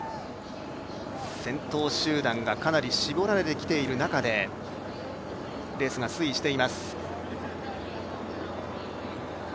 先頭集団がかなり絞られてきている中でレースが推移しています。